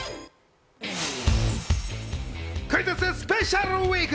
クイズッススペシャルＷＥＥＫ。